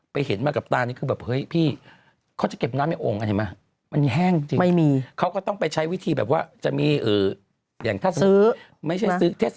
ไปเห็นมากับตานี่คือแบบเฮ้ยพี่